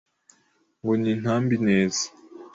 Ngo nintambe ineza